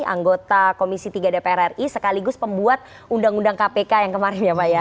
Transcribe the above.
anggota komisi tiga dpr ri sekaligus pembuat undang undang kpk yang kemarin ya pak ya